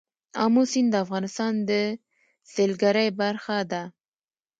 آمو سیند د افغانستان د سیلګرۍ برخه ده.